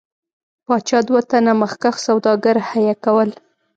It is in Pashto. پاچا دوه تنه مخکښ سوداګر حیه کول.